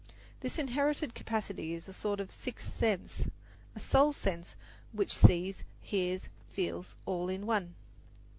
This inherited capacity is a sort of sixth sense a soul sense which sees, hears, feels, all in one.